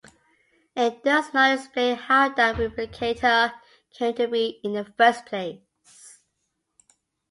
It does not explain how that replicator came to be in the first place.